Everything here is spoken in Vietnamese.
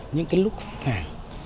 những cái lúc sảng